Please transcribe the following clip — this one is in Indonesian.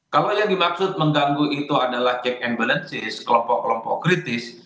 kalau yang dimaksud mengganggu itu adalah check and balances kelompok kelompok kritis